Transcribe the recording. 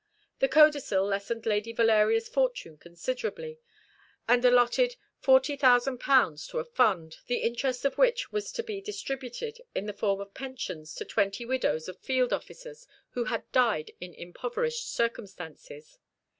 The codicil lessened Lady Valeria's fortune considerably, and allotted 40,000£ to a fund, the interest of which was to be distributed in the form of pensions to twenty widows of field officers who had died in impoverished circumstances.